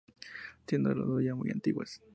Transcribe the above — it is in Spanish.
Siendo las dos ya muy antiguas.